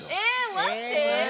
待って。